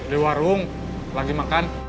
di warung lagi makan